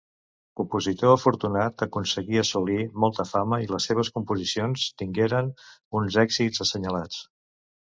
Compositor afortunat, aconseguí assolir molta fama i les seves composicions tingueren uns èxits assenyalats.